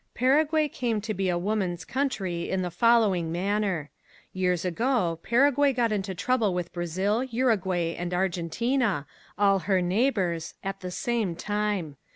Paraguay came to be a woman's country in the following manner. Years ago Paraguay got into trouble with Brazil, Uruguay and Argentina, all her neighbors, at the same time.